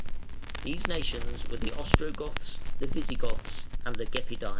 These nations were the Ostrogoths, the Visigoths, and the Gepidæ.